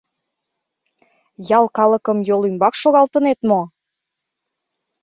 — Ял калыкым йол ӱмбак шогалтынет мо?